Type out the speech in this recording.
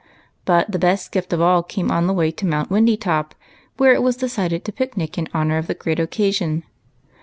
But the best gift of all came on the way to Mount Windy top, where it was decided to picnic in honor of the great occasion.